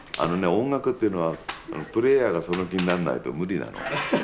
音楽っていうのはプレーヤーがその気にならないと無理なの。